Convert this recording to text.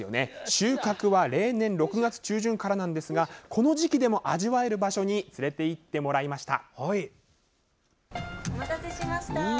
収穫は例年６月中旬からですがこの時期でも味わえる場所に連れて行ってもらいました。